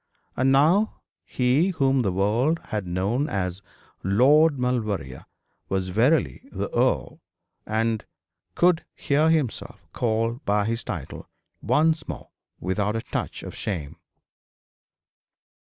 And now he whom the world had known as Lord Maulevrier was verily the earl, and could hear himself called by his title once more without a touch of shame.